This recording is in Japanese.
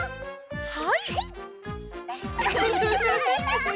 はい。